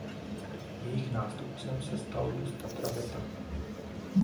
Jejich nástupcem se stal vůz Tatra Beta.